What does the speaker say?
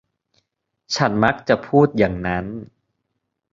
ฉันมักจะพูดอย่างนั้น